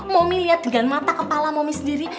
momi lihat dengan mata kepala momi sendiri